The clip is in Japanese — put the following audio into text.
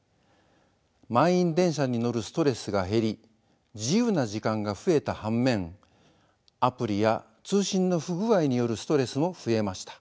満員電車に乗るストレスが減り自由な時間が増えた反面アプリや通信の不具合によるストレスも増えました。